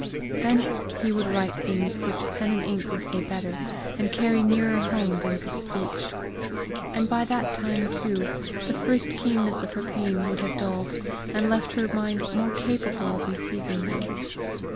Thence he would write things which pen and ink would say better and carry nearer home than could speech; and by that time too the first keenness of her pain would have dulled, and left her mind more capable of receiving them.